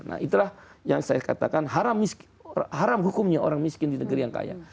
nah itulah yang saya katakan haram hukumnya orang miskin di negeri yang kaya